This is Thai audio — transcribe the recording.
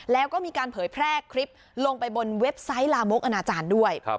แล้วก็มีการเผยแพร่คลิปลงไปบนเว็บไซต์ลามกอนาจารย์ด้วย